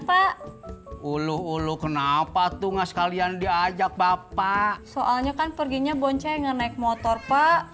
pak uluh uluh kenapa tuh enggak sekalian diajak bapak soalnya kan perginya bonceng naik motor pak